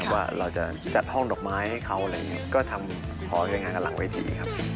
ว่าเราจะจัดห้องดอกไม้ให้เขาอะไรอย่างงี้